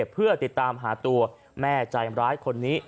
เพื่อติดตามหาตัวแม่ใจร้ายคนนี้